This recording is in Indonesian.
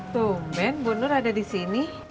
tumben bu nur ada di sini